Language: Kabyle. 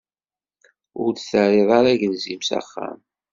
Ur d-terriḍ ara agelzim s axxam.